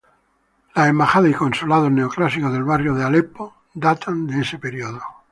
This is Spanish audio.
Las embajadas y consulados neoclásicos del barrio de Aleppo datan de ese periodo.